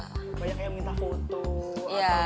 banyak yang minta foto atau